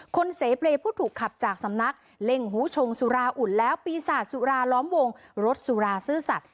เสเปรย์ผู้ถูกขับจากสำนักเล่งหูชงสุราอุ่นแล้วปีศาจสุราล้อมวงรถสุราซื่อสัตว